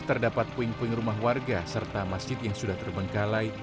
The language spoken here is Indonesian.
terdapat puing puing rumah warga serta masjid yang sudah terbengkalai